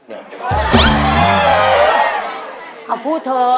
เอาพูดเถอะ